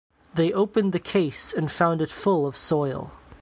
They opened the case and found it full of soil.